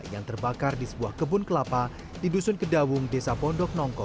yang terbakar di sebuah kebun kelapa di dusun kedawung desa pondok nongko